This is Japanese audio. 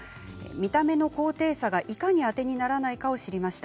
見た目の高低差がいかにあてにならないか知りました。